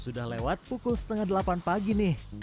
sudah lewat pukul setengah delapan pagi nih